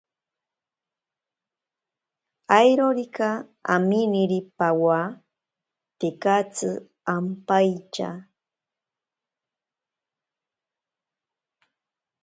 Airorika aminiri pawa tekatsi ampaitya.